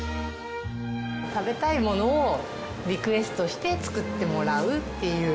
食べたいものをリクエストして作ってもらうっていう。